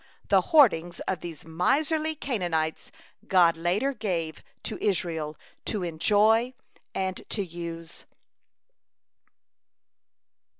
The hoardings of these miserly Canaanites God later gave to Israel to enjoy and to use.